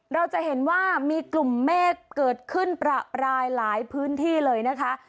เราจะเห็นว่ามีกลุ่มเมฆเกิดขึ้นประปรายหลายพื้นที่เลยนะคะ